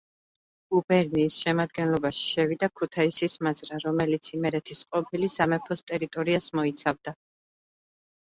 გუბერნიის შემადგენლობაში შევიდა ქუთაისის მაზრა, რომელიც იმერეთის ყოფილი სამეფოს ტერიტორიას მოიცავდა.